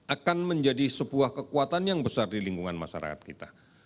akan menjadi sebuah kekuatan yang besar di lingkungan masyarakat kita